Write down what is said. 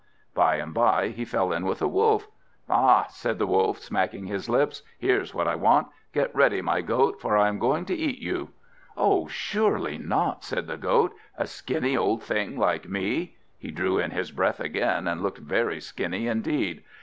By and by he fell in with a Wolf. "Ha!" said the Wolf, smacking his lips; "here's what I want. Get ready, my Goat, for I am going to eat you." "Oh, surely not," said the Goat; "a skinny old thing like me!" He drew in his breath again, and looked very skinny indeed.